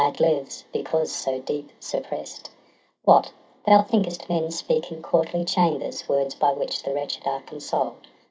it lives, because so deep suppress'd ! What, thou think'st men speak in courtly chambers Words by which the wretched are consoled?